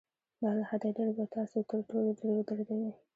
دا له حده ډېر به تاسو تر ټولو ډېر ودردوي.